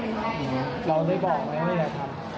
แล้วก็เขวก็กระทึกผมตอนนั้นแล้วก็วิ่งดูสิเนี่ย